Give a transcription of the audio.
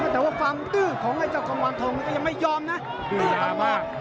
แต่ว่าความตื้อของไอ้เจ้ากำวันทองก็ยังไม่ยอมนะ